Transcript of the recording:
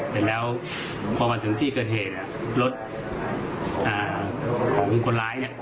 เสร็จแล้วพอมาถึงที่เกิดเหตุรถของคนร้ายเนี่ย